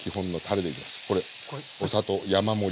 これお砂糖山盛り。